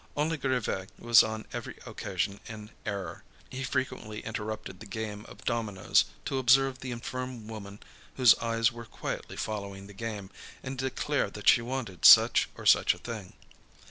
Only Grivet was on every occasion in error. He frequently interrupted the game of dominoes, to observe the infirm woman whose eyes were quietly following the game, and declare that she wanted such or such a thing.